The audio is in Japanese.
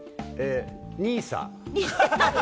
ＮＩＳＡ？